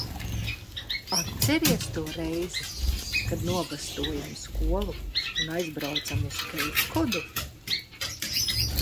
Atceries to reizi, kad nobastojam skolu un aizbraucam uz Keipkodu?